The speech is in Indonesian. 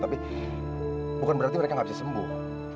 tapi bukan berarti mereka nggak bisa sembuh